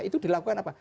itu dilakukan apa